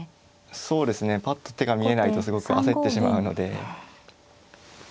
そうですねぱっと手が見えないとすごく焦ってしまうので。